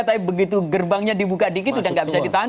tapi begitu gerbangnya dibuka dikit dan tidak bisa ditahan